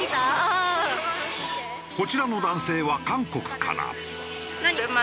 こちらの男性は韓国から。